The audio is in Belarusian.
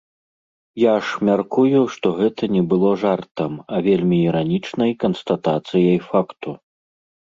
Я ж мяркую, што гэта не было жартам, а вельмі іранічнай канстатацыяй факту.